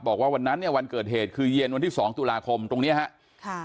บอกว่าวันนั้นวันเกิดเหตุคือเย็นวันที่๒ตุลาคมตรงนี้ครับ